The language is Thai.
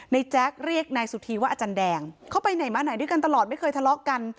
แจ๊คเรียกนายสุธีว่าอาจารย์แดงเขาไปไหนมาไหนด้วยกันตลอดไม่เคยทะเลาะกัน